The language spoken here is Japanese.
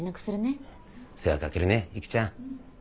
世話かけるね育ちゃん。